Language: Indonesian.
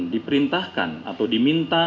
diperintahkan atau diminta